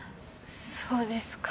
そうですか